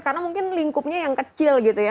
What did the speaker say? karena mungkin lingkupnya yang kecil gitu ya